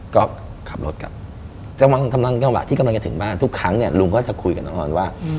ก็ขับรถกลับกำลังจังหวะที่กำลังจะถึงบ้านทุกครั้งเนี่ยลุงก็จะคุยกับน้องออนว่า